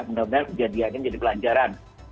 mudah mudahan kejadiannya jadi pelajaran